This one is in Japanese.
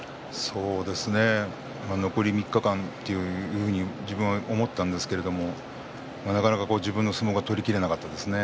そうですね残り３日間というふうに自分は思ったんですけどなかなか自分の相撲が取りきれなかったですね。